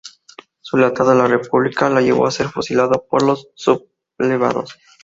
Su lealtad a la República le llevó a ser fusilado por los sublevados.